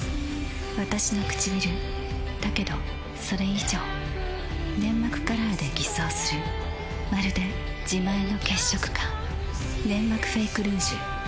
わたしのくちびるだけどそれ以上粘膜カラーで偽装するまるで自前の血色感「ネンマクフェイクルージュ」